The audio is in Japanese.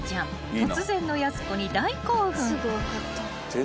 突然のやす子に大興奮］